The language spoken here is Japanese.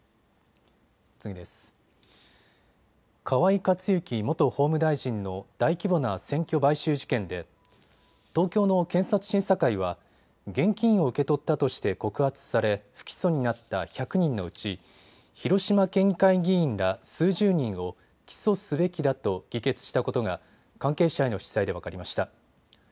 河井克行元法務大臣の大規模な選挙買収事件で東京の検察審査会は現金を受け取ったとして告発され不起訴になった１００人のうち広島県議会議員ら数十人を起訴すべきだと議決したことが関係者への取材で分かりました。